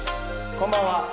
こんばんは。